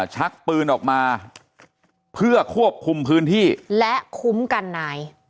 ชักปืนออกมาเพื่อควบคุมพื้นที่และคุ้มกันนาย